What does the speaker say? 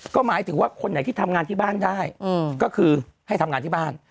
ก็หมายถึงว่าคนไหนที่ทำงานที่บ้านได้ก็คือให้ทำงานที่บ้าน